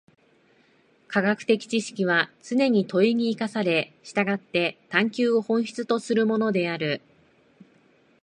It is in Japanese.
科学的知識はつねに問に生かされ、従って探求を本質とするものである。